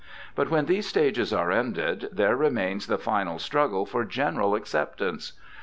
But when these stages are ended, there remains the final struggle for general acceptance.